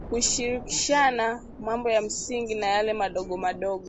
kushirikishana mambo ya msingi na yale madogo madogo